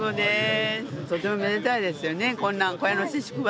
とてもめでたいですよね。